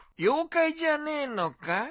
妖怪じゃねえのか？